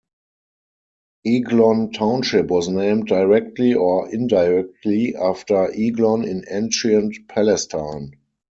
Eglon Township was named directly, or indirectly, after Eglon in ancient Palestine.